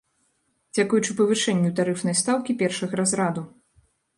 Дзякуючы павышэнню тарыфнай стаўкі першага разраду.